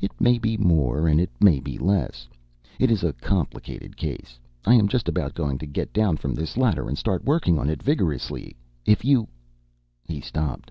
It may be more, and it may be less. It is a complicated case. I am just about going to get down from this ladder and start working on it vigorously. If you " He stopped.